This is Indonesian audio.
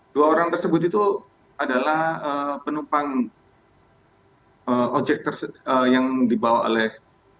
dua orang tersebut itu adalah penumpang ojek yang dibawa oleh